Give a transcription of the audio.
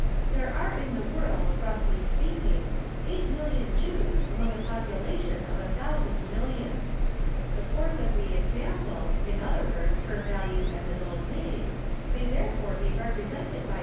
There are in the world, roughly speaking, eight million Jews among a population of a thousand millions. The force of the example, in other words, her value as an Old Maid, may therefore be represented by .008."